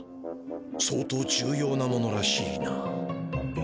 相当重ようなものらしいな。